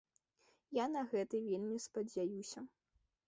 Я на гэта вельмі спадзяюся!